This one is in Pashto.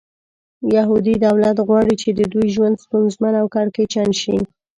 یهودي دولت غواړي چې د دوی ژوند ستونزمن او کړکېچن شي.